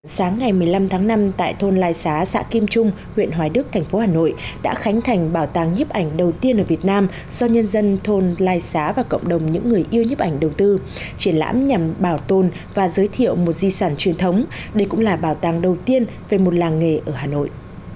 sáng ngày một mươi năm tháng năm tại thôn lai xá xã kim trung huyện hoài đức thành phố hà nội đã khánh thành bảo tàng nhiếp ảnh đầu tiên ở việt nam do nhân dân thôn lai xá và cộng đồng những người yêu nhấp ảnh đầu tư triển lãm nhằm bảo tồn và giới thiệu một di sản truyền thống đây cũng là bảo tàng đầu tiên về một làng nghề ở hà nội